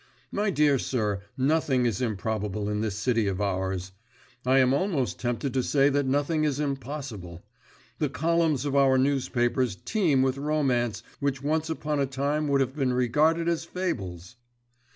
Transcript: My dear sir, nothing is improbable in this city of ours; I am almost tempted to say that nothing is impossible. The columns of our newspapers teem with romance which once upon a time would have been regarded as fables." Mr.